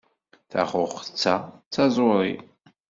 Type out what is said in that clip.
Taxuxet-a d taẓuri.